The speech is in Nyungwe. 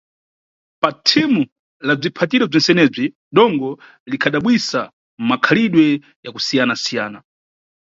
Pa thimu la bziphatiziro bzentsenebzi dongo likhadabwisa mmakhalidwe ya kusiyana-siyana.